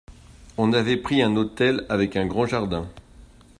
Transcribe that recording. On avait pris un hôtel avec un grand jardin.